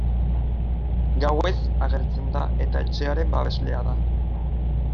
Gauez agertzen da eta etxearen babeslea da.